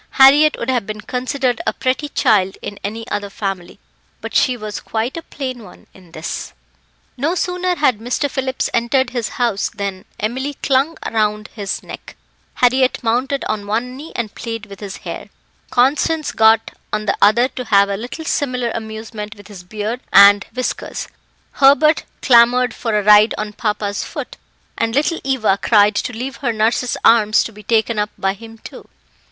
Harriett would have been considered a pretty child in any other family, but she was quite a plain one in this. No sooner had Mr. Phillips entered his house than Emily clung round his neck; Harriett mounted on one knee and played with his hair; Constance got on the other to have a little similar amusement with his beard and whiskers; Hubert clamoured for a ride on papa's foot; and little Eva cried to leave her nurse's arms to be taken up by him too.